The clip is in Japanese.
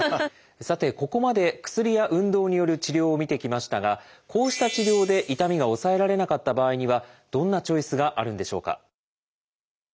さてここまで薬や運動による治療を見てきましたがこうした治療で痛みが抑えられなかった場合にはどんなチョイスがあるんでしょうか？